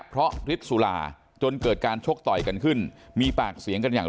เพราะฤทธิ์สุราจนเกิดการชกต่อยกันขึ้นมีปากเสียงกันอย่าง